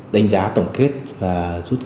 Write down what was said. đánh giá tổng kỳ của đường này